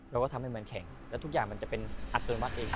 เราก็ทำให้มันแข็งแล้วทุกอย่างมันจะเป็นอัตโนมัติเอง